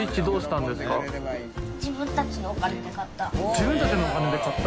自分たちのお金で買った？